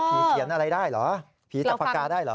พีคเขียนอะไรได้หรอพีคจับปากกาได้หรอ